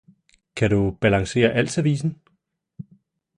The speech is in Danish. Kan du balancere alt servicen?